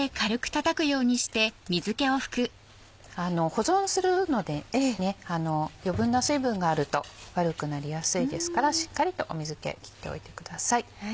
保存するので余分な水分があると悪くなりやすいですからしっかりと水気切っておいてください。